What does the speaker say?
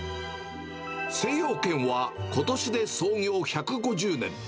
精養軒はことしで創業１５０年。